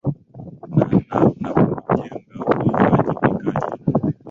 na na nakujenga uajibikaji